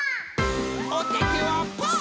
おててはパー！